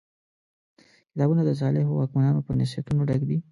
کتابونه د صالحو واکمنانو په نصیحتونو ډک دي.